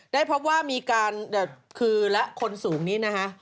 ได้พบว่ามีการคือและคนสูงนี้นะฮะ